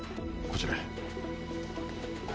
こちらへ。